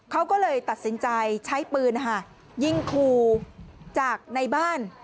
เขาก็เลยตัดสินใจใช้ปืนยิงครูจากในบ้าน